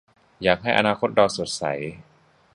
อยากให้อนาคตเราสดใส